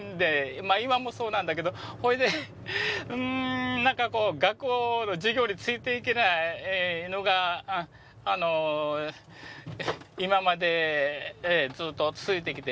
今もそうなんだけどほれでうーんなんかこう学校の授業についていけないのが今までずっと続いてきてね。